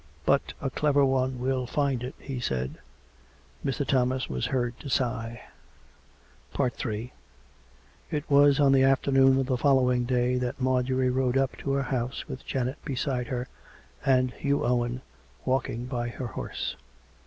" But a clever one will find it," he said. Mr. Thomas was heard to sigh. Ill It was on the afternoon of the following day that Mar jorie rode up to her house with Janet beside her, and Hugh Owen walking by her horse.